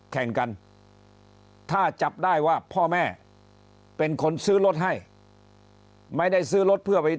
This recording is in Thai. แข่งกันถ้าจับได้ว่าพ่อแม่เป็นคนซื้อรถให้ไม่ได้ซื้อรถเพื่อไป